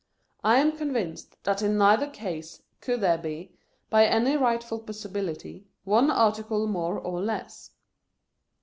I am convinced that in neither case could there be, by any rightful possibility, one article more or less.